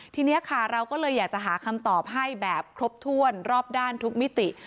ทีนี้ค่ะเราก็เลยอยากจะหาคำตอบให้แบบครบถ้วนรอบด้านทุกมิติ